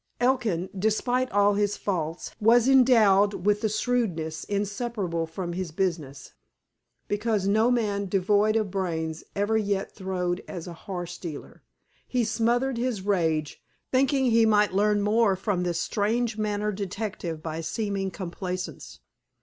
Elkin, despite all his faults, was endowed with the shrewdness inseparable from his business, because no man devoid of brains ever yet throve as a horse dealer. He smothered his rage, thinking he might learn more from this strange mannered detective by seeming complaisance.